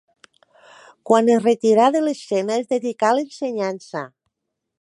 Quan es retirà de l'escena es dedicà a l'ensenyança.